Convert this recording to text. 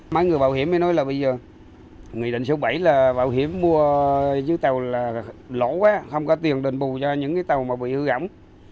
mấy người bảo hiểm mới nói là bây giờ nghị định số bảy là bảo hiểm mua dưới tàu là lỗ quá không có tiền đền bù cho những cái tàu mà bị hư gỏng